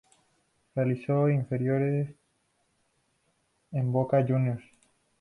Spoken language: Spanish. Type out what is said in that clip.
Realizó inferiores en Boca Juniors.